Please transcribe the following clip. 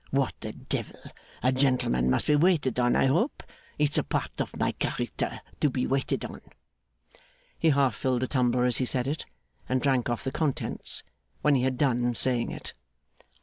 What the Devil! A gentleman must be waited on, I hope? It's a part of my character to be waited on!' He half filled the tumbler as he said it, and drank off the contents when he had done saying it.